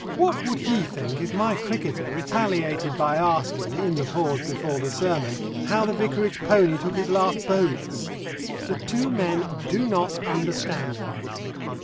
What would he think if my cricketer retaliated by asking, in the pause before the sermon, how the vicarage pony took his last bolus? The two men do not understand one another.